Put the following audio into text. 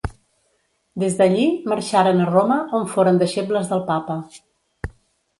Des d'allí, marxaren a Roma, on foren deixebles del Papa.